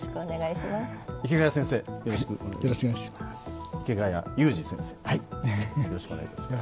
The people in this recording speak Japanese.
池谷先生、よろしくお願いします。